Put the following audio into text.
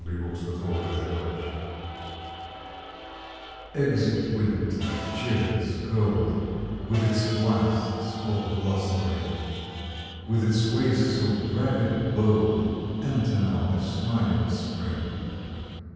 March Thirtieth THE SEQUENCE "L^XIT winter, cheerless, cold, With its blasts all blustering, With its ways so braggart bold, Enter now the smiling spring.